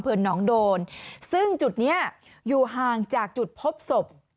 น้องโดนซึ่งจุดนี้อยู่ห่างจากจุดพบศพ